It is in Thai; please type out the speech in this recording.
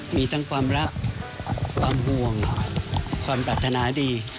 มีทั้งความรักความห่วงความปรารถนาดี